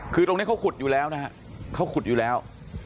คือตรงนี้เขาขุดอยู่แล้วนะฮะเขาขุดอยู่แล้ว